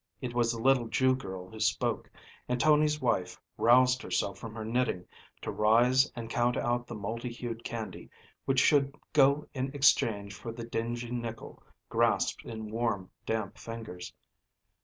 It was the little Jew girl who spoke, and Tony's wife roused herself from her knitting to rise and count out the multi hued candy which should go in exchange for the dingy nickel grasped in warm, damp fingers.